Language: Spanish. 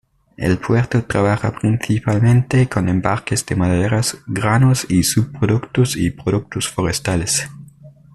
El puerto trabaja principalmente con embarques de maderas, granos y subproductos y productos forestales.